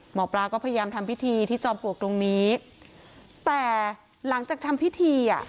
หมอปลาก็พยายามทำพิธีที่จอมปลวกตรงนี้แต่หลังจากทำพิธีอ่ะ